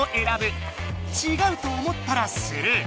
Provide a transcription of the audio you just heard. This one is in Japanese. ちがうと思ったらスルー。